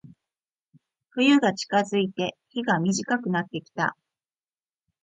冬が近づいて、日が短くなってきた。